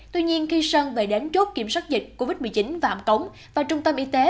tuy nhiên khi sơn về đến chốt kiểm soát dịch covid một mươi chín và ẩm cống vào trung tâm y tế